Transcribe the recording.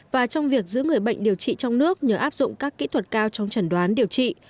và trong việc giữ người bệnh điều trị trong nước nhờ áp dụng các kỹ thuật cao trong trần đoán điều trị